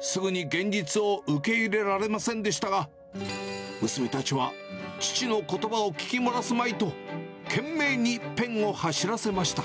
すぐに現実を受け入れられませんでしたが、娘たちは父のことばを聞き漏らすまいと、懸命にペンを走らせました。